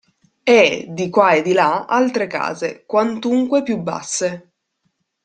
E, di qua e di là, altre case, quantunque più basse.